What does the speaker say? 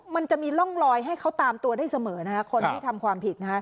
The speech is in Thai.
มันจะมีร่องลอยให้เขาตามตัวได้เสมอคนที่ทำความผิด